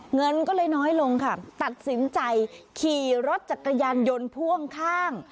เงินก็เลยน้อยลงค่ะตัดสินใจขี่รถจักรยานยนต์พ่วงข้าง